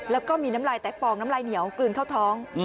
แล้วก็มีน้ำลายแตกฟองน้ำลายเหนียวกลืนเข้าท้อง